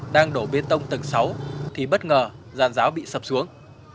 đang đổ bê tông tầng sáu thì bất ngờ giàn giáo bị sập xuống